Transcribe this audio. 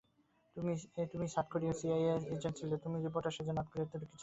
তুমি সাউথ কোরিয়ার CIA agent ছিলে, তুমি রিপোর্টার সেজে নর্থ কোরিয়াতে ঢুকেছিলে।